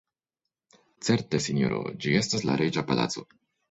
Certe sinjoro, ĝi estas la reĝa palaco.